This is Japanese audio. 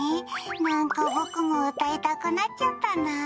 何か僕もうたいたくなっちゃったな。